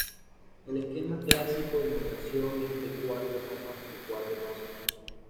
El esquema clásico de modelación es el de cuatro etapas o cuatro pasos.